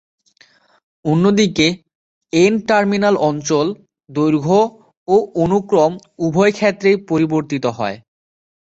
অন্যদিকে, এন-টার্মিনাল অঞ্চল দৈর্ঘ্য ও অনুক্রম উভয় ক্ষেত্রেই পরিবর্তিত হয়।